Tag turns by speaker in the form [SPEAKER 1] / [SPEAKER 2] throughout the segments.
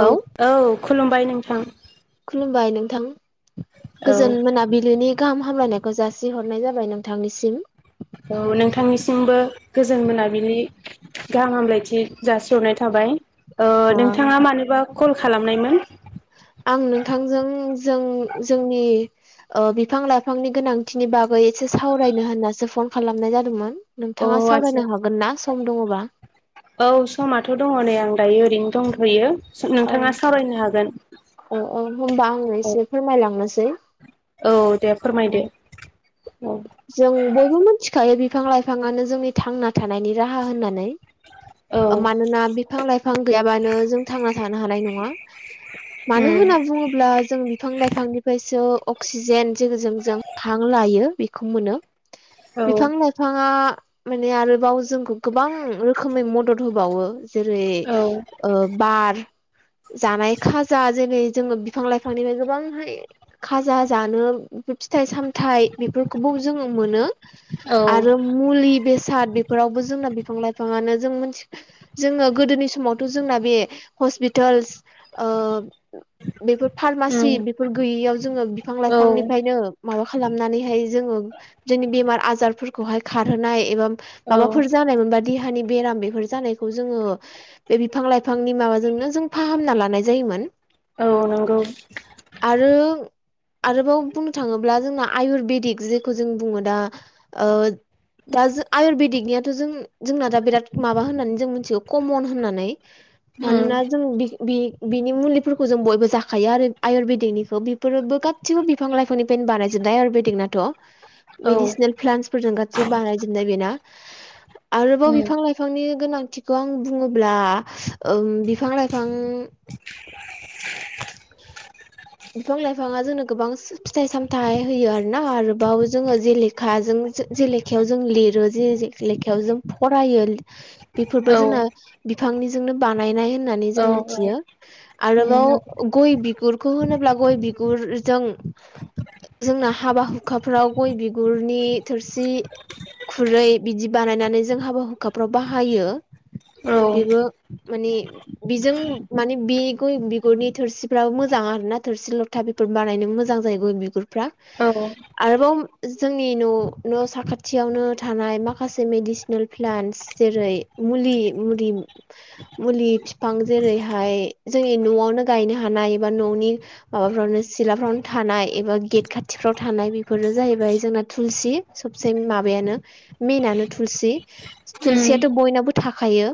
[SPEAKER 1] औ औ खुलुमबाय नोंथां
[SPEAKER 2] खुलुमबाय नोंथां
[SPEAKER 1] औ
[SPEAKER 2] गोजोन मोनाबिलिनि गाहाम हामलायनायखौ जासिहरनाय जाबाय नोंथांनिसिम
[SPEAKER 1] औ नोंथांनिसिमबो गोजोन मोनाबिलि गाहाम हामलायथि जासिहरनाय थाबाय ओ नोंथांआ मानोबा कल खालामनायमोन
[SPEAKER 2] आं नोंथांजों जों जोंनि ओ बिफां लाइफांनि गोनांथिनि बागै एसे सावरायनो होननासो फन खालामनाय जादोंमोन
[SPEAKER 1] अ
[SPEAKER 2] नोंथांआ सावरायनो
[SPEAKER 1] आदसा
[SPEAKER 2] हागोन ना सम दङबा?
[SPEAKER 1] औ समाथ' दङ नै आं दायो ओरैनो दंथ'यो
[SPEAKER 2] औ
[SPEAKER 1] नोंथाङा सावरायनो हागोन
[SPEAKER 2] औ औ होनबा ओ ओ आंङो
[SPEAKER 1] औ
[SPEAKER 2] एसे फोरमायलांनोसै
[SPEAKER 1] औ दे
[SPEAKER 2] औ
[SPEAKER 1] फोरमायदो औ
[SPEAKER 2] जों बयबो मिथिखायो बिफां लाइफाआनो जोंनि थांना थानायनि राहा होननानै
[SPEAKER 1] औ
[SPEAKER 2] ओ मानोना बिफां लाइफां गैयाबानो जों थांना थानो हानाय नङा मानो
[SPEAKER 1] उम
[SPEAKER 2] होनना बुङोब्ला जों बिफां लाइफांनिफ्रायसो अक्सिजेन जों जेजों जों हां लायो बेखौ मोनो
[SPEAKER 1] औ
[SPEAKER 2] बिफां लाइफाङा माने आरोबाव जोंखौ गोबां रोखोमै मदद होबावो। जेरै
[SPEAKER 1] औ
[SPEAKER 2] ओ बार जानाय खाजा जेरै जोङो बिफां लाइफांनिफ्राय गोबांहाय खाजा जानो फिथाइ सामथाइ बेफोरखौबो जोङो मोनो
[SPEAKER 1] औ
[SPEAKER 2] आरो मुलि बे साद बेफोरावबो जोंना बिफां लाइफाङानो जों मिथ जोङो गोदोनि समावथ' जोंना बे हस्पिटाल्स ओ बेफोर फारमासि
[SPEAKER 1] उम
[SPEAKER 2] बेफोर गैयियाव जोङो बिफां
[SPEAKER 1] औ
[SPEAKER 2] लाइफांनिफ्रायनो माबा खालामनानैहाय जोंनि बेमार आजारफोरखौहाय खारहोनाय एबा
[SPEAKER 1] औ
[SPEAKER 2] माबाफोर जानायमोनबा देहानि बेराम बेफोर जानायखौ जोङो बे बिफां लाइफांनि माबाजोंनो जों फाहामना लानाय जायोमोन।
[SPEAKER 1] औ नंगौ।
[SPEAKER 2] आरो आरोबाव बुंनो थाङोब्ला जोंना आयुरवेदिक जेखौ जों बुङो दा ओ दा जों आयुर्वेदिकनियाथ' जों जोंना दा बिराद माबा होननानै जों मिथिगौ कमन होननानै
[SPEAKER 1] उम
[SPEAKER 2] मानोना जों बिनि मुलिफोरखौ जों बयबो जाखायो आरो आयुरवेदिकनिखौ बेफोरबो गासिबो बिफां लाइफांनिफ्रायनो बानायजोबनाय आयुर्वेदिकनाथ'।
[SPEAKER 1] औ
[SPEAKER 2] मेडिसिनेल प्लान्सफोरजों गाससिबो बानायजोबनाय बेना। आरोबाव
[SPEAKER 1] उम
[SPEAKER 2] बिफां लाइफांनि गोनांथिखौ आं बुङोब्ला ओम बिफां लाइफां [inaudible] [inaudible] बिफां लाइफाङा जोंनो गोबां फिथाइ सामथाइ होयो आरोना आरोबाव जोङो जेलेखा जों जे लेखायाव जों लिरो जे लेखायाव जों फरायो बेफोरबो
[SPEAKER 1] औ
[SPEAKER 2] जोंना बिफांनिजोंनो बानायनाय होननानै जों
[SPEAKER 1] औ
[SPEAKER 2] मिथियो। आरोबाव
[SPEAKER 1] उम
[SPEAKER 2] गय बिगुरखौ होनोब्ला गय बिगुरजों जोंना हाबा हुखाफोराव गय बिगुरनि थोरसि खुरै बिदि बानायनानै जों हाबा हुखाफ्राव बाहायो।
[SPEAKER 1] औ
[SPEAKER 2] बेबो माने बिजों माने बि गय बिगुरनि थोरसिफ्राबो मोजां आरोना थोरसि लथा बेफोर बानायनो मोजां जायो गय बिगुरफ्रा
[SPEAKER 1] औ उम
[SPEAKER 2] आरोबाव जोंनि न' न' साखाथियावनो थानाय माखासे मेडिसिनेल प्लान्स जेरै मुलि मुलि फिफां जेरैहाय जोंनि न'वावनो गायनो हानाय एबा न'नि माबाफ्रावनो सिलाफ्रावनो थानाय एबा गेट खाथिफ्राव थानाय बेफोर जाहैबाय जोंना थुलसि सबसे माबायानो मेइनानो थुलसि, थुलसियाथ' बयनाबो थाखायो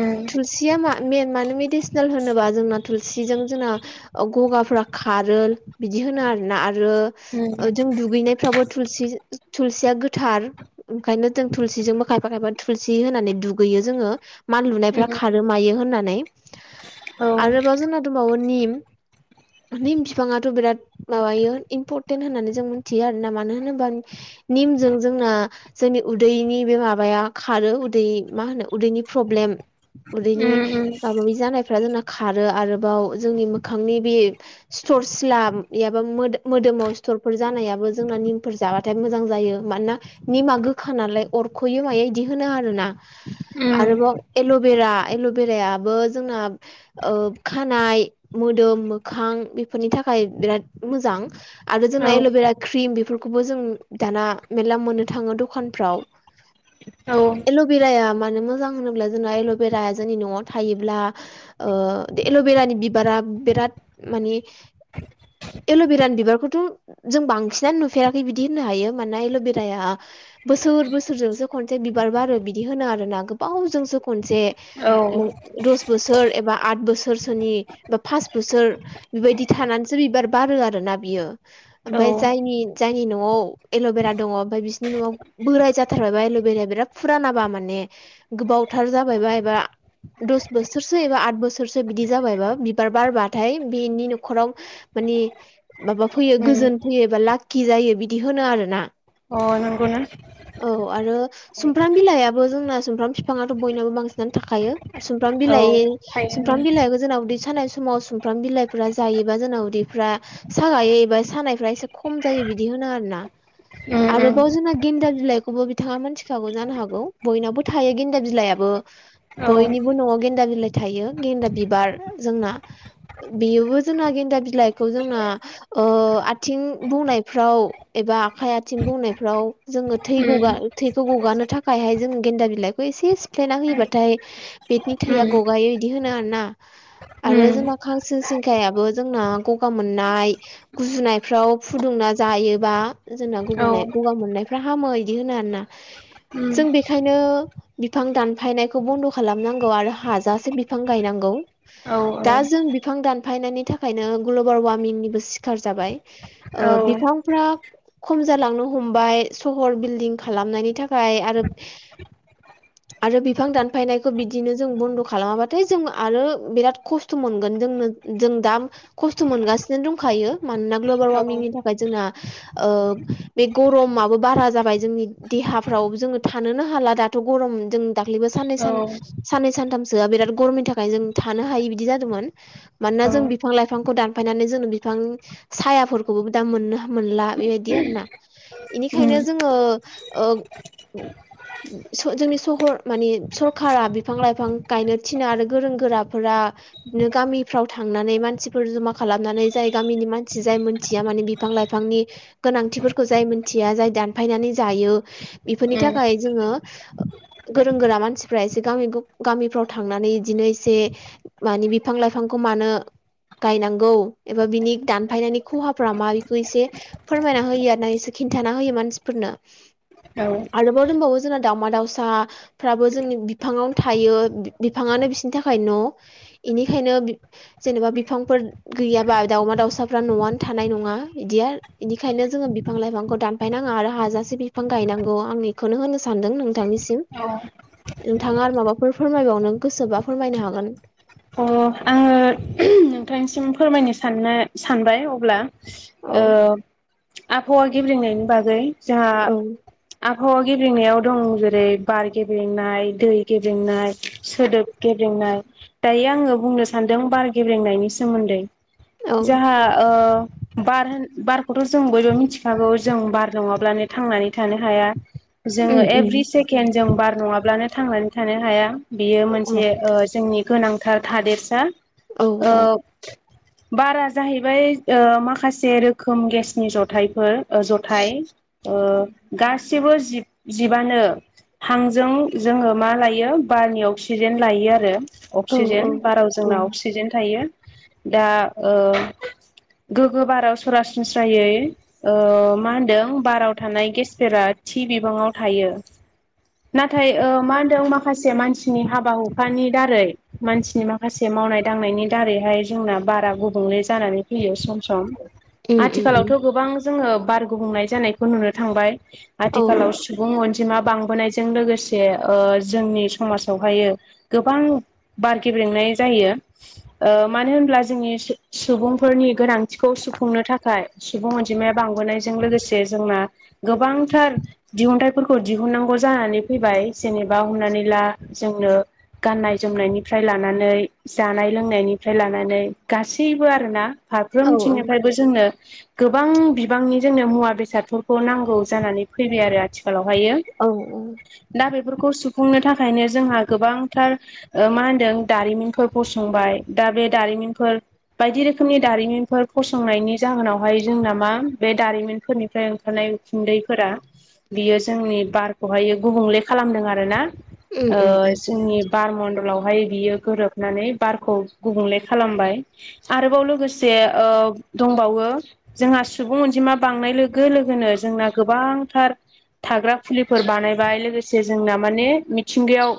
[SPEAKER 1] उम
[SPEAKER 2] थुलसिया मा मेन मानो मेदिसिनेल होनोबा जोंना थुलसिजों गगाफोरा खारो बिदि होनो आरोना। आरो
[SPEAKER 1] उम
[SPEAKER 2] दुगैनायफ्राव थुलसि थुलसिया गोथार ओंखायनो जों थुलसिजों खायफा खायफा थुल सि होनानै दुगैयो जोङो मान लुनायफ्रा
[SPEAKER 1] उम
[SPEAKER 2] खारो मायो होननानै
[SPEAKER 1] औ
[SPEAKER 2] आरो जोंना दंबावो निम निम बिफाङाथ' बिराद माबायो इम्परटेन्ट होननानै जों मिथियो आरोना मानो होनोबा निमजों जोंना जोंनि उदैनि बे माबाया खारो उदै मा होनो उदैनि प्र ब्लेम
[SPEAKER 1] उम
[SPEAKER 2] उदैनि माबा माबि जानायफ्रा जोंना खारो आरोबाव जोंनि मोखांनि बे सिथर सिला एयाबा मो मोदोमाव सिथर जानायो जोंना निमफोर जाबाथाय मोजां जायो मानोना निमा गोखा नालाय अरख'यो मायो होनो आरोना
[SPEAKER 1] उम
[SPEAKER 2] आरोबाव एल'बेरा एल'भेरायाबो जोंना ओ खानाय मोदोम मोखां बेफोरनि थाखाय बिराद मोजां। आरो
[SPEAKER 1] औ
[SPEAKER 2] जोंना एल'भेरा क्रिम बि खौबो जों दाना मेरला मोननो थाङो दखानफ्राव
[SPEAKER 1] औ
[SPEAKER 2] एल'बेराया मानो मोजां होनोब्ला जोंना एल'बेराया जोंनि न'वाव थायोब्ला ओ एल'बेरानि बिबारा बिराद माने एल'भेरानि बिबारखौथ' जों बांसिनानो नुफेराखै बिदि होननो हायो मानोना एल'बेराया बोसोर बोसोरजोंसो खनसे बिबार बारो बिदि होनो आरोना गोबावजोंसो खन से
[SPEAKER 1] औ
[SPEAKER 2] दस बोसोर ए बा आद बोसोरसोनि बा पास बोसोर बेबायदि थानानैसो बिबार बारो आरोना बियो। ओमफ्राय जायनि जायनि न'वाव एल'बेरा दङ ओमफ्राय बिसोरनि न'वाव बोराय जाथारबाय बा एल' बेराया फुरानाबा माने गोबावथार जाबायबा एबा दस बोसोरसो एबा आद बोसोरसो बिदि जाबायबा बिबार बारबाथाय बेनि न'खराव मानि माबा फैयो।
[SPEAKER 1] उम
[SPEAKER 2] गोजोन फैयो एबा लाखि जायो बिदि होनो आरोना।
[SPEAKER 1] अ नंगौनो।
[SPEAKER 2] औ आरो सुमफ्राम बिलाइयाबो जोंना सुमफ्राम फिफाङाथ' बयनाबो बांसिनानो थाखायो। सुमफ्राम
[SPEAKER 1] औ
[SPEAKER 2] बिलाइ
[SPEAKER 1] थायो
[SPEAKER 2] सुमफ्राम बिलाइखौ जोंनाव उदै सानाय समाव सुमफ्राम बिलाइफ्रा जायोबा जोंना उदैफ्रा सागायो एबा सानायफ्रा एसे खम जायो। बिदि होनो आरोना।
[SPEAKER 1] उम उम
[SPEAKER 2] आरोबाव जोंना गेन्दा बिलाइखौबो बिथाङा मिथिखागौ जानो हागौ बयनावबो थायो गेन्दा बिलाइयाबो।
[SPEAKER 1] औ
[SPEAKER 2] बयनिबो न'वाव गेन्दा बिलाइ थायो गेन्दा बिबार जोंना। बेयोबो जोंना गेन्दा बिलाइखौ जोंना ओ आथिं बौनायफ्राव ए बा आखाइ आथिं बौनायफ्राव जोङो थै
[SPEAKER 1] उम
[SPEAKER 2] गगा थै गगानो थाखायहाय जों गेन्दा बिलाइखौ एसे सिफ्लेना होयोबाथाय बेनि थैया
[SPEAKER 1] उम
[SPEAKER 2] ग गायो बिदि होनो आरोना। आरो
[SPEAKER 1] उम
[SPEAKER 2] जोंना खांसिं सिंखायाबो जोंना गगा मोननाय गुजुनायफ्राव फुदुंना जायोबा जोंना
[SPEAKER 1] औ
[SPEAKER 2] गगानाय गगा मोननायफ्रा हामो बिदि होनो आरोना।
[SPEAKER 1] उम
[SPEAKER 2] जों बेखायनो बिफां दानफायनायखौ बन्द' खालामनांगौ आरो हाजा बिफां गायनांगौ।
[SPEAKER 1] औ
[SPEAKER 2] दा जों बिफां दानफायनायनि थाखायनो ग्लबाल वार्मिंनिबो सिखार जाबाय ओ
[SPEAKER 1] औ
[SPEAKER 2] बि फां फ्रा खम जालांनो हमबाय सहर बिल्दिं खालामनायनि थाखाय आरो आरो बिफां दानफायनायखौ बिदिनो जों बन्द' खा खालामाबाथाय जों आरो बिराद खस्थ' मोनगोन जोंनो जों दा खस्थ' मोनगासिनो दंखायो। मानोना ग्लबेल
[SPEAKER 1] उम
[SPEAKER 2] वार्मिंनि थाखाय जोंना बे गरमाबो बारा जाबाय जोंनि देहाफ्राव जोङो थानोनो हाला दाथ' गरम जों दाख्लैबो साननै सा साननै सानथामसो आ बिराद गरमनि थाखाय जों थानो हायै बिदि जादोंमोन मानोना जों बिफां लाइफांखौ दानफायनानै जों बि बिफां सायाफोरखौबो दा मोननो मोनला बेबायदि आरोना
[SPEAKER 1] उम
[SPEAKER 2] बेनिखायनो जोङो आ
[SPEAKER 1] [inaudible]
[SPEAKER 2] जोंनि सहर माने सरखारा बिफां लाइफां गायनो थिनो आरो गोरों गोराफोरा बिदिनो गामिफ्राव थांनानै मानसिफोर जमा खालामनानै जाय गामिनि मानसि जाय मोनथिया माने बिफां लाइफांनि गोनांथिफोरखौ जाय मिथिया जाय दानफायनानै जा हायो बेफोरनि थाखाय जोङो गोरों गोरा मानसिफोरा एसे गामि गफ गामि मिफ्राव थांनानै बिदिनो एसे माने बिफां लाइफांखौ मानो गायनांगौ एबा बिनि दानफायनायनि खहाफोरा मा बेखौ एसे फोरमायना होयो आरो एसे खिन्थाना होयो मानसिफोरनो।
[SPEAKER 1] औ
[SPEAKER 2] आरोबाव दंबावो जोंना दावउमा दावसाफ्राबो जोंनि बिफाङावनो थायो बिफाङानो बिसिनि थाखाय न' बेनिखायनो जेनेबा बिफांफोर गैयाबा दाउमा दाउसाफ्रा न'आनो थानाय नङा बिदिया बेनिखायनो जोङो बिफां लाइफांखौ दानफायनाङा आरो हाजासे बिफां बिफां गायनांगौ आं बेखौनो होनो सानदों नोंथांनिसिम। नोंथाङा आरो माबाफोर फोरमायबावनो गोसोबा फोरमायनो हागोन।
[SPEAKER 1] अ आङो नोंथांनिसिम फोरमायनो साननो सानबाय अब्ला।
[SPEAKER 2] औ
[SPEAKER 1] ओ आबहावा गेब्रेंनायनि बागै जोंहा
[SPEAKER 2] औ
[SPEAKER 1] आब आबहावा गेब्रेंनायाव दं जेरै बार गेब्रेंनाय दै गेब्रेंनाय सोदोब गेब्रें नाय दायो आङो बुंनो सान्दों बार गेब्रेंनायनि सोमोन्दै
[SPEAKER 2] औ
[SPEAKER 1] जोंहा ओ बार होन बारखौथ' जों बयबो मिथिखागौ जों बार नङाब्लानो थांनानै थानो हाया जोङो
[SPEAKER 2] उम उम
[SPEAKER 1] एभ्रि सेकेन्ड जों बार नङाब्लानो थांनानै थानो हाया बियो
[SPEAKER 2] औ
[SPEAKER 1] मोनसे जोंनि गोनांथार थादेरसा
[SPEAKER 2] औ
[SPEAKER 1] ओ
[SPEAKER 2] औ
[SPEAKER 1] बारा जाहैबाय ओ माखासे रोखोम गेसनि जथाइफोर जथाय ओ गासिबो जिब जिबानो हांजों जोङो मा लायो बारनि अक्सिजेन लायो आरो
[SPEAKER 2] औ
[SPEAKER 1] अक्सिजेन बाराव जोंना
[SPEAKER 2] औ
[SPEAKER 1] अक्सिजेन थायो दा ओ गोग्गो बाराव सरासनस्रायै ओ मा होनदों बाराव थानाय गेसफोरा थि बिबाङाव थायो नाथाय मा होनदों माखासे मानसिनि हाबा हुखानि दारै मानसिनि माखासे मावनाय दांनायनि दारैहाय जोंना बारा गुबुंले जानानै फैयो सम सम
[SPEAKER 2] उम उम उम
[SPEAKER 1] आथिखालावथ' गोबां जोङो बार गुबुंनाय जानायखौ नुनो थांबाय
[SPEAKER 2] औ
[SPEAKER 1] आथिखालाव सुबुं अनजि मा बांबोनायजों लोगोसे ओ जोंनि समाजावहायो गोबां बार गेब्रेंनाय जायो मानो ओ होनब्ला जोंनि सुबुंफोरनि गोनां थिखौ सुफुंनो थाखाय सुबुं अनजिमाया बांबोनाय जों लोगोसे जोंना गोबांथार दिहुनथाइफोरखौ दिहुननांगौ जानानै फैबाय जेने बा हमनानै ला जोंनो गाननाय जोमनायनिफ्राय लानानै जानाय लोंनायनिफ्राय लानानै गासैबो आरोना
[SPEAKER 2] औ
[SPEAKER 1] फारफ्रोमथिंनिफ्रायबो जोंनो गोबां बिबांनि जोंनो मुवा बेसादफोरखौ नांगौ जानानै फैबाय आरो आथि खालावहायो
[SPEAKER 2] औ
[SPEAKER 1] दा बेफोरखौ सुफुंनो थाखायनो जोंहा गोबां थार मा होनदों दारिमिनफोर फसंबाय दा बे दारिमिनफोर बायदि रोखोमनि दारिमिनफोर फसंनायनि जाहोनावहाय जोंना मा बे दारिमिनफोरनिफ्राय ओंखारनाय उखुन्दैफोरा बियो जोंनि बारखौहाय गुबुंले खालामदों आरोना
[SPEAKER 2] उम
[SPEAKER 1] ओ
[SPEAKER 2] उम
[SPEAKER 1] जोंनि बार मन्दलावहाय बियो गोरोबनानै बारखौ गुबुंले खालामबाय आरोबाव लोगोसे बे ओ दंबावो जोंहा सुबुं अनजिमा बांनाय लोगो लोगोनो जोंना गोबां फोथार थाग्रा फुलिफोर बानायबाय लोगोसे जोंना माने मिथिंगायाव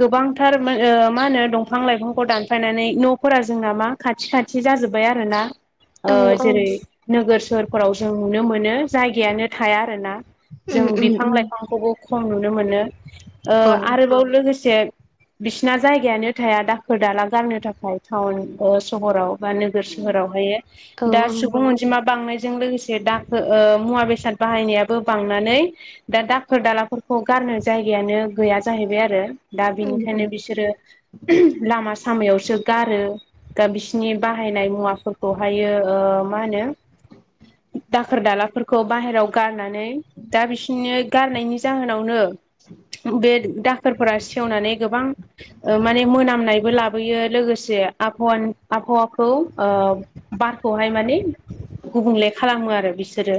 [SPEAKER 1] गोबांथार मा होनो दंफां लाइफांखौ दानफायनानै न'फोरा जोंना मा खाथि खाथि जाजोब्बाय आरो ना ओ
[SPEAKER 2] औ औ
[SPEAKER 1] जेरै नोगोर सहरफोराव जों नुनो मोनो जायगायानो थाया आरोना
[SPEAKER 2] उम
[SPEAKER 1] जों
[SPEAKER 2] उम
[SPEAKER 1] बिफां
[SPEAKER 2] उम
[SPEAKER 1] लाइफांखौबो खम नुनो मोनो ओ
[SPEAKER 2] औ
[SPEAKER 1] आरोबाव लोगोसे बिसिना जायगायानो थाया दाखोर दाला गारनो थाखाय टाउन सहराव बा नोगोर सहरावहायो
[SPEAKER 2] औ
[SPEAKER 1] दा सुबुं अनजिमा बांनाय जों लोगोसे दा ओ मुवा बेसाद बाहायनायो बांनानै दा दाखोर दाला गार जायगायानो गैया जाहैबाय आरो दा
[SPEAKER 2] उम
[SPEAKER 1] बिनिखायनो
[SPEAKER 2] उम
[SPEAKER 1] बिसोरो लामा सामायावसो गारो दा बिस जोंनि बाहायनाय मुवाफोरखौहायो मा होनो दाखोर दालाफोरखौ बाहेरायाव गारनानै दा बिसनि गारनायनि जाहोनावनो बे दाखोरफोरा सि गोबां माने मोनामनायबो लाबोयो लोगोसे आबहावाखौ खौ ओ बारखौहाय माने गुबुंले खालामो आरो बिसोरो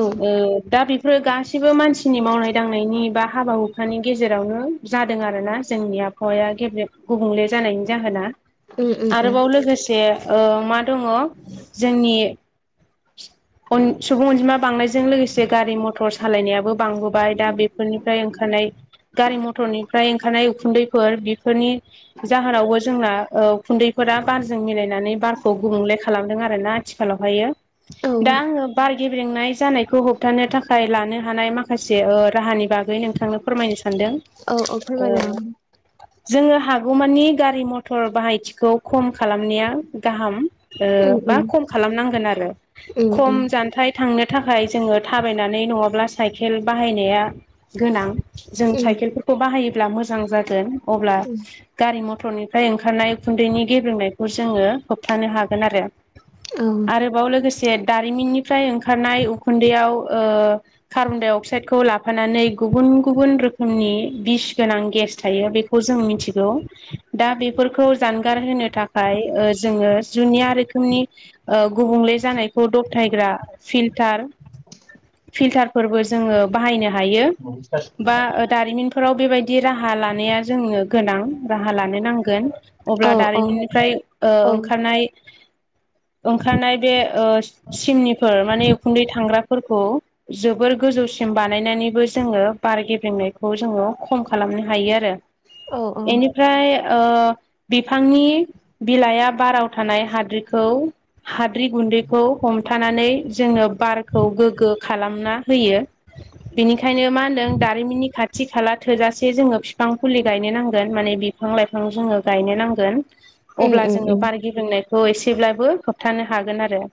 [SPEAKER 2] औ
[SPEAKER 1] दा बेफोरो गासैबो मानसिनि मावनाय दांनायनि बा हाबा हुखानि गेजेरावनो जादों आरोना जोंनि आबहावाया गेबें गुबुंले जानायनि जाहोना
[SPEAKER 2] उम उम उम
[SPEAKER 1] आरोबाव लोगोसे ओ मा दङ जोंनि सुबुं अनजिमा बांनायजों लोगोसे गारि मथर सालायनायाबो बांबोबाय दा बेफोरनिफ्राय ओंखारनाय गारि मथर फ्राय ओंखारनाय उखुन्दैफोर बेफोरनि जाहोनावबो जोंना ओ उखोन्दैफोरा बारजों मिलायनानै बारखौ गुबुंले खालामदों आरो ओमफ्राय ना आथिखालावहायो
[SPEAKER 2] औ
[SPEAKER 1] दा आङो बार गेब्रेंनाय जानायखौ होबथानो थाखाय लानो हानाय माखासे ओ राहानि बागै नोंथांनो फोरमायनो सानदों
[SPEAKER 2] औ औ
[SPEAKER 1] ओ
[SPEAKER 2] फोरमायना हो
[SPEAKER 1] जोङो हागौमानि गारि मथर बाहायथिखौ खम खालामनाया गाहाम ओ
[SPEAKER 2] उम
[SPEAKER 1] बा
[SPEAKER 2] उम
[SPEAKER 1] खम खालामनांगोन आरो
[SPEAKER 2] उम
[SPEAKER 1] खम
[SPEAKER 2] उम
[SPEAKER 1] जानथाय थांनो नि थाखाय जोङो थाबायनानै नङाब्ला साइकेल बाहायनाया गोनां जों
[SPEAKER 2] उम
[SPEAKER 1] साइकेल बाहायोब्ला मोजां जागोन अब्ला गारि मथर मथ'रनिफ्राय ओंखारनाय उखुन्दैनि गेब्रेंनायखौ जोङो होबथानो हागोन आरो
[SPEAKER 2] उम
[SPEAKER 1] आरोबाव लोगोसे दारिमिननिफ्राय ओंखारनाय उखुन्दैआव ओ कार्बन डाइ अक्साइडखौ लाफानानै गुबुन गुबुन रोखोमनि बिस गोनां गेस थायो बेखौ जों मिथि गौ बेफोरखौ जानगार होनो थाखाय ओ जोङो जुनिया रोखोमनि ओ गुबुंले जानायखौ दबथायग्रा फिल्टार फिल्टारफोरबो जोङो बाहायनो हायो बा दारिमिनफोर फोराव बेबायदि राहा लानाया जोंनो गोनां राहा लानो नांगोन अब्ला
[SPEAKER 2] औ औ
[SPEAKER 1] दारिमिननिफ्राय ओ
[SPEAKER 2] औ
[SPEAKER 1] ओंखारनाय ओंखारनाय बे ओ सिमनिफोर माने उखुन्दै थांग्राफोरखौ जोबोर गोजौसिम बानायनानैबो जोङो बार गेबेंनायखौ जोङो खम खालामनो हायो आरो
[SPEAKER 2] औ औ
[SPEAKER 1] एनिफ्राय ओ बिफांनि बिलाइया बाराव थानाय हाद्रिखौ हाद्रि गुन्दैखौ हमथानानै जोङो बारखौ गोग्गो खालामना होयो बेनिखायनो मा होनदों दारिमिननि खाथि खाथि खाला थोजासे जोङो बिफां फुलि गायनो नांगोन माने बिफां लाइफां जोङो गायनो नांगोन
[SPEAKER 2] उम
[SPEAKER 1] अब्ला
[SPEAKER 2] उम
[SPEAKER 1] जोङो
[SPEAKER 2] उम
[SPEAKER 1] बार गेब्रेंनायखौ एसेब्लाबो होबथानो हागोन आरो